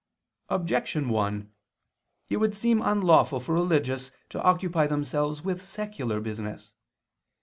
Objection 1: It would seem unlawful for religious to occupy themselves with secular business.